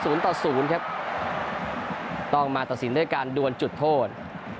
ต่อศูนย์ครับต้องมาตัดสินด้วยการดวนจุดโทษ